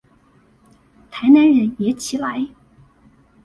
台南人也起來